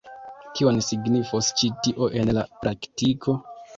Kion signifos ĉi tio en la praktiko?